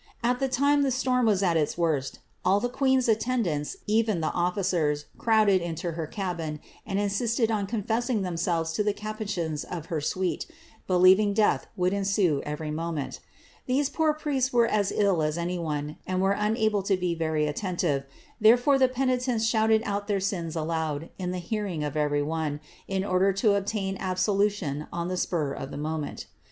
At the time the storm was at its worst, all the queen'f attendants, even the ofllicers, crowded into her cabin, and insisted oo confessing themselves to the capucins of her suite, believing death would ensue every moment. These poor priests were as ill as any one, and were unable to be very attentive ; therefore the penitents shouted out their sins aloud, in the hearing of ever}' one, in order to obtain absoln tion on the spur of the moment.